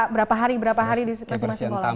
berapa hari berapa hari di kisah masih pengolahan